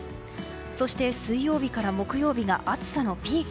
そして、水曜日から木曜日が暑さのピーク。